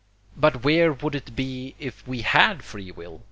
But where would it be if we HAD free will?